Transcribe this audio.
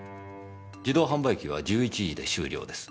自動販売機は１１時で終了です。